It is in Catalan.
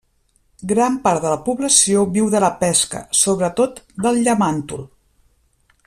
Gran part de la població viu de la pesca, sobretot del llamàntol.